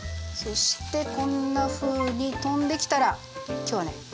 そしてこんなふうにとんできたら今日はね